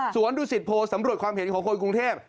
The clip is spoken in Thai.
สวรรค์ดูสิทธิ์โพลสำรวจความเห็นของคนกรุงเทพ